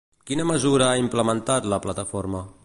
Quina mesura ha implementat la Plataforma?